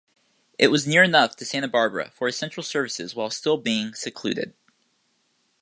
It was near enough to Santa Barbara for essential services while still being secluded.